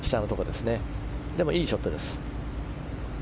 でもいいショットです。